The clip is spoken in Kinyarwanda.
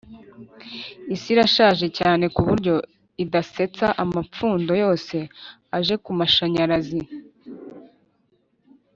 isi irashaje cyane kuburyo idasetsa amapfundo yose aje kumashanyarazi.